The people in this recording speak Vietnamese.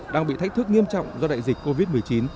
đại dịch covid một mươi chín